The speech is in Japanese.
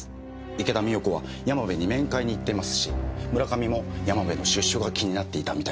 池田美代子は山部に面会に行っていますし村上も山部の出所が気になっていたみたいでしたから。